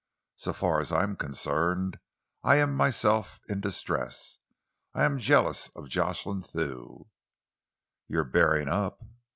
So far as I am concerned, I am myself in distress. I am jealous of Jocelyn Thew." "You're bearing up!"